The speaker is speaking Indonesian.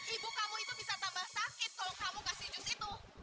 ibu kamu itu bisa tambah sakit kok kamu kasih jus itu